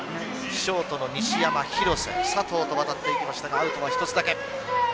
ショートの西山、廣瀬佐藤と渡っていきましたがアウトは１つだけ。